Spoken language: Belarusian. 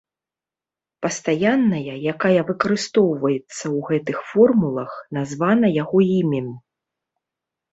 Пастаянная, якая выкарыстоўваецца ў гэтых формулах, названа яго імем.